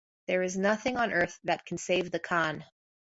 There is nothing on earth that can save the Khan.